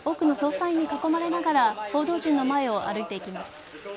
多くの捜査員に囲まれながら報道陣の前を歩いていきます。